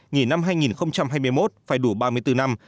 nghỉ năm hai nghìn hai mươi một phải đủ ba mươi bốn năm